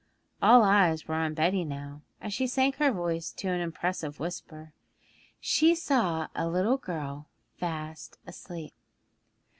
All eyes were on Betty now, as she sank her voice to an impressive whisper. 'She saw a little girl fast asleep!'